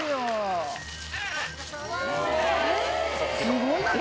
すごいな！